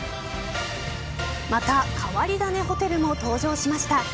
また変わり種ホテルも登場しました。